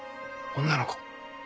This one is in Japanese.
女の子。